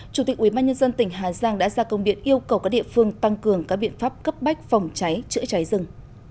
chủ tịch ubnd tỉnh hà giang đã ra công điện yêu cầu các địa phương tăng cường các biện pháp cấp bách phòng cháy chữa cháy rừng